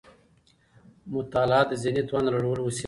مطالعه د ذهني توان د لوړولو وسيله ده.